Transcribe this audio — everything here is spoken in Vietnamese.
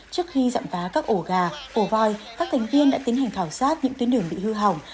trước khi dặm vá các ổ gà ổ voi các thành viên đã tiến hành khảo sát những tuyến đường bị hư hỏng